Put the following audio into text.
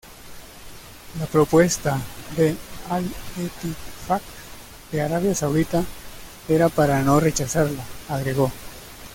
La propuesta de Al-Ettifaq de Arabia Saudita, "era para no rechazarla", agregó.